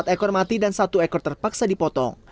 empat ekor mati dan satu ekor terpaksa dipotong